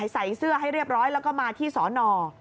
ใส่เสื้อให้เรียบร้อยแล้วก็มาที่สอนอ